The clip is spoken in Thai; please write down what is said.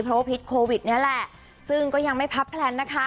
เพราะว่าพิษโควิดนี่แหละซึ่งก็ยังไม่พับแพลนนะคะ